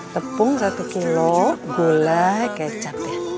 tepung satu kilo gulai kecap